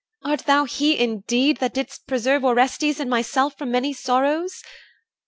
Art thou he indeed, That didst preserve Orestes and myself From many sorrows?